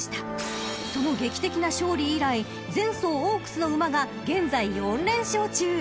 ［その劇的な勝利以来前走オークスの馬が現在４連勝中］